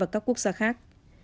và các quốc gia khác